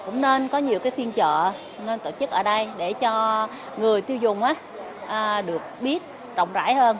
cũng nên có nhiều phiên chợ nên tổ chức ở đây để cho người tiêu dùng được biết rộng rãi hơn